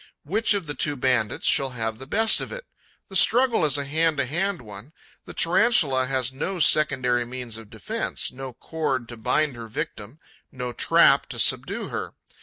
Which of the two bandits shall have the best of it? The struggle is a hand to hand one. The Tarantula has no secondary means of defence, no cord to bind her victim, no trap to subdue her.